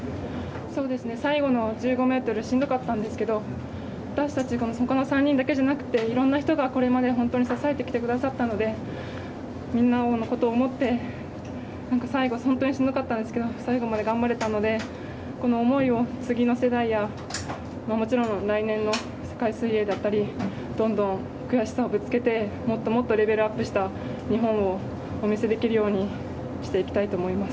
最後の１５ｍしんどかったんですけど私たち、この３人だけじゃなくていろんな人がこれまで本当に支えてきてくださったのでみんなのことを思って最後本当にしんどかったんですけど最後まで頑張れたのでこの思いを次の世代やもちろん来年の世界水泳だったりどんどん悔しさをぶつけてもっともっとレベルアップした日本をお見せできるようにしていきたいと思います。